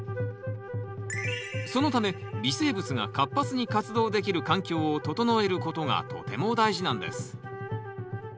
そのため微生物が活発に活動できる環境を整えることがとても大事なんです。